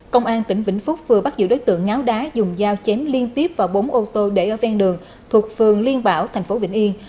công an tỉnh vĩnh phúc vừa bắt giữ đối tượng ngáo đá dùng dao chém liên tiếp vào bốn ô tô để ở ven đường thuộc phường liên bảo thành phố vĩnh yên